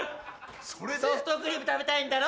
ソフトクリーム食べたいんだろ？